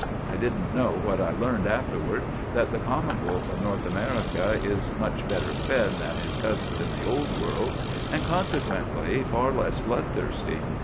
I didn't know what I learned afterward, that the common wolf of North America is much better fed than his cousin in the Old World, and consequently far less bloodthirsty.